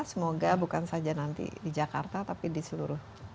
semoga bukan saja nanti di jakarta tapi di seluruh